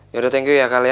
yaudah thank you ya kal ya